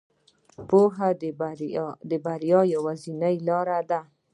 پوهه د بریا یوازینۍ لاره ده.